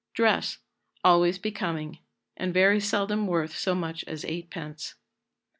Dress. Always becoming; and very seldom worth so much as eightpence."